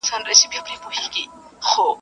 چي منزل مي قیامتي سو ته یې لنډ کې دا مزلونه.